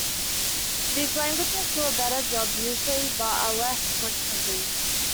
These languages do a better job usually, but are less flexible.